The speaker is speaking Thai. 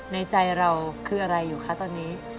ในใจเราคืออะไรอยู่คะตอนนี้